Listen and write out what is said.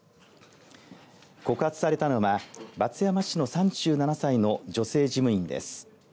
告発されたのは松山市の３７歳の女性事務員です。